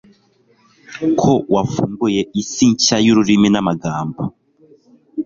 ko wafunguye isi nshya yururimi namagambo